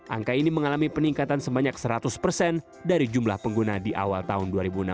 angka ini mengalami peningkatan sebanyak seratus persen dari jumlah pengguna di awal tahun dua ribu enam belas